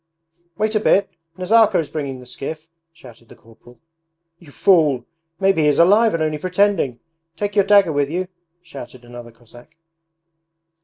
'Wait a bit, Nazarka is bringing the skiff,' shouted the corporal. 'You fool! Maybe he is alive and only pretending! Take your dagger with you!' shouted another Cossack.